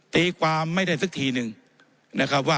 ตีความไม่ได้สักทีหนึ่งนะครับว่า